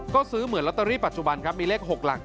ก็ซื้อเหมือนลอตเตอรี่ปัจจุบันครับมีเลข๖หลัก